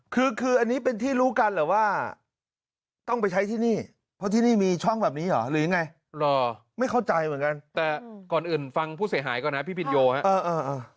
คือคืออันนี้เป็นที่รู้กันเหรอว่าต้องไปใช้ที่นี่เพราะที่นี่มีช่องแบบนี้เหรอหรือไงหรอไม่เข้าใจเหมือนกันแต่ก่อนอื่นฟังผู้เสียหายก่อนนะพี่พินโยครับ